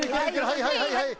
はいはいはいはい。